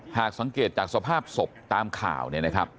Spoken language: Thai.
หากสังเกตจากสภาพศพตามข่าวเนี่ยนะครับ